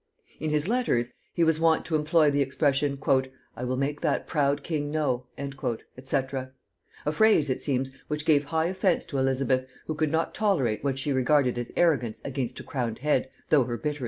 In his letters he was wont to employ the expression, "I will make that proud king know" &c.: a phrase, it seems, which gave high offence to Elizabeth, who could not tolerate what she regarded as arrogance against a crowned head, though her bitterest foe.